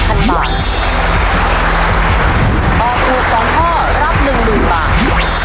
ตอบถูก๒ข้อรับ๑๐๐๐บาท